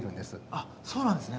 あっそうなんですね。